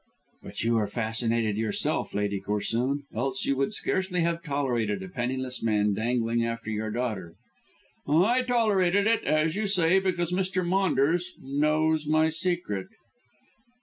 "But you are fascinated yourself, Lady Corsoon, else you would scarcely have tolerated a penniless man dangling after your daughter." "I tolerated it, as you say, because Mr. Maunders knows my secret."